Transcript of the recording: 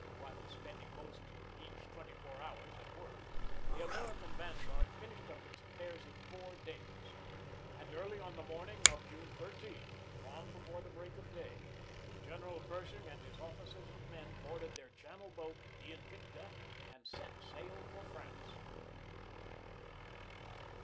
What with spending most of each twenty four hours at work, the American vanguard finished up its affairs in four days. And early on the morning of June 13, long before the break of day, General Pershing and his officers and men boarded their Channel boat, the Invicta, and set sail for France.